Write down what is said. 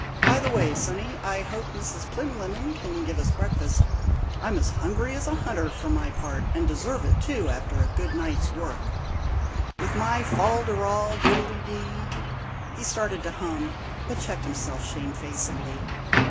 By the way, sonny, I hope Miss Plinlimmon can give us breakfast. I'm as hungry as a hunter, for my part, and deserve it, too, after a good night's work. With my fol de rol, diddledy " He started to hum, but checked himself shamefacedly.